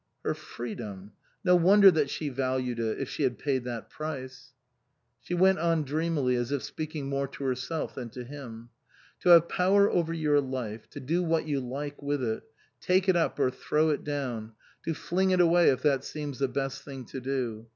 Her freedom ! No wonder that she valued it, if she had paid that price ! She went on dreamily, as if speaking more to herself than him. " To have power over your life to do what you like with it take it up or throw it down, to fling it away if that seems the best thing to do.